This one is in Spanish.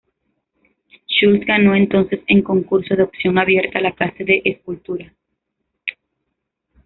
Schulz ganó entonces, en concurso de oposición abierta, la clase de escultura.